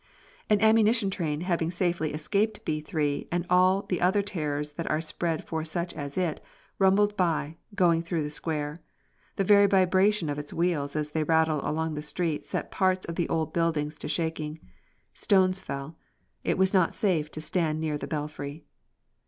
An ammunition train, having safely escaped B 3 and all the other terrors that are spread for such as it, rumbled by, going through the Square. The very vibration of its wheels as they rattled along the street set parts of the old building to shaking. Stones fell. It was not safe to stand near the belfry.